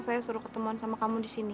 saya suruh ketemuan sama kamu disini